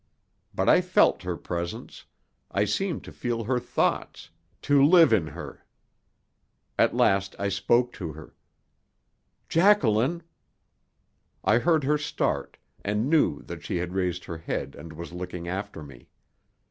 But I felt her presence; I seemed to feel her thoughts, to live in her. At last I spoke to her. "Jacqueline!" I heard her start, and knew that she had raised her head and was looking after me.